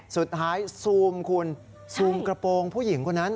สุดท้ายซูมคุณซูมกระโปรงผู้หญิงคนนั้น